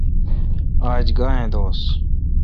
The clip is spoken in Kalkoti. آج گاں اے° دوس؟